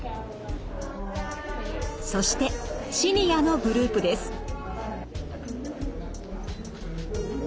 そしてシニアのグループです。